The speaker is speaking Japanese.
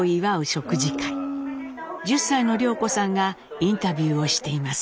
１０歳の涼子さんがインタビューをしています。